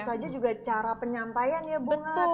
tentu saja juga cara penyampaian ya bukan